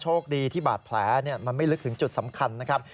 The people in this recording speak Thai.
โชคดีที่บาดแผลมันไม่ลึกถึงจุดสำคัญนะครับ